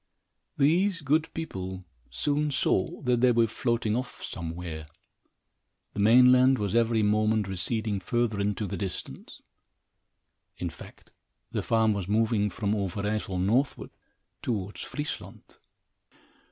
These good people soon saw that they were floating off somewhere. The mainland was every moment receding further into the distance. In fact, the farm was moving from Overijssel northward, towards Friesland.